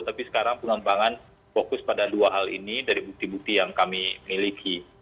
tapi sekarang pengembangan fokus pada dua hal ini dari bukti bukti yang kami miliki